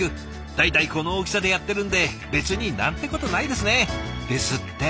「代々この大きさでやってるんで別に何てことないですね」ですって。